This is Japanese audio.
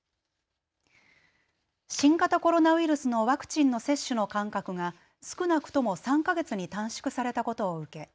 新型コロナウイルスのワクチンの接種の間隔が少なくとも３か月に短縮されたことを受け